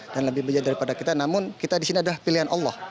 dan lebih benar daripada kita namun kita di sini adalah pilihan allah